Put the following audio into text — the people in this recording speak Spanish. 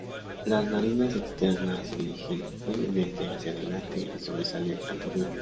Las narinas externas se dirigen levemente hacia adelante y sobresalen anteriormente.